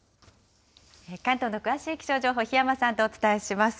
関東の詳しい気象情報、檜山さんとお伝えします。